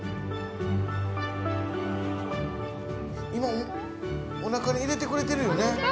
今おなかに入れてくれてるよね。